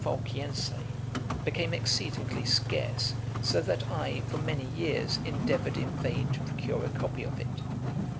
] Marmor Norfolciense became exceedingly scarce, so that I, for many years, endeavoured in vain to procure a copy of it.